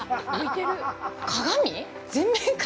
鏡！？